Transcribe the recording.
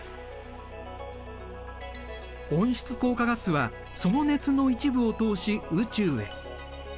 温室効果ガスはその熱の一部を通し宇宙へ。